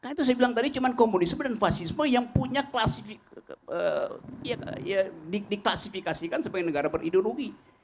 karena itu saya bilang tadi cuma komunisme dan fasisme yang punya diklasifikasikan sebagai negara berideologi